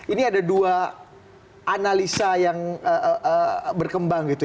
ini ada dua analisa yang berkembang gitu